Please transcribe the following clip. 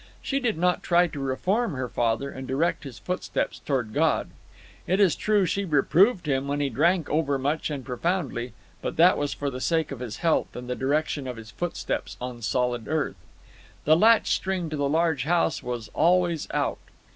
She did not try to reform her father and direct his footsteps toward God. It is true, she reproved him when he drank overmuch and profoundly, but that was for the sake of his health and the direction of his footsteps on solid earth. The latchstring to the large house was always out.